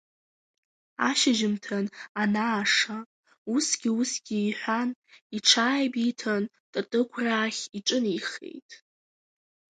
Ашьжьымҭан анааша, усгьы-усгьы иҳәан, иҽааибиҭан, татыгәраахь иҿынеихеит.